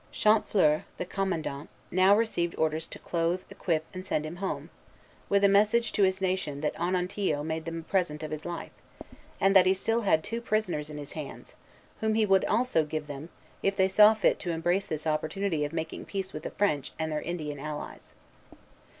Champfleur, the commandant, now received orders to clothe, equip, and send him home, with a message to his nation that Onontio made them a present of his life, and that he had still two prisoners in his hands, whom he would also give them, if they saw fit to embrace this opportunity of making peace with the French and their Indian allies.